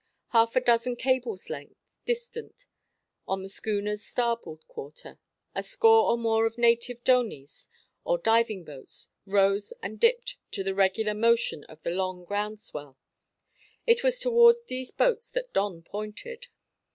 Half a dozen cable's lengths distant on the schooner's starboard quarter, a score or more of native dhonies or diving boats rose and dipped to the regular motion of the long ground swell. It was towards these boats that Don pointed.